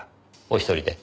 お１人で？